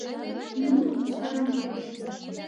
Муро-мыскарам мураш.